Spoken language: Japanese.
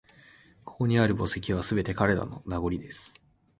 ここにある墓石は、すべて彼らの…名残です